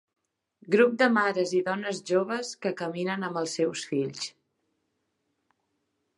Grup de mares i dones joves que caminen amb els seus fills.